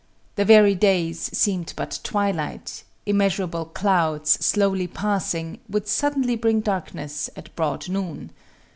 The very days seemed but twilight; immeasurable clouds, slowly passing, would suddenly bring darkness at broad noon.